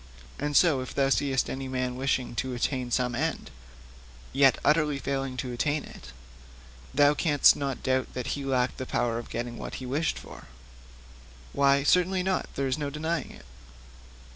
And so, if thou seest any man wishing to attain some end, yet utterly failing to attain it, thou canst not doubt that he lacked the power of getting what he wished for.' 'Why, certainly not; there is no denying it.'